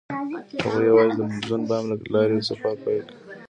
هغوی یوځای د موزون بام له لارې سفر پیل کړ.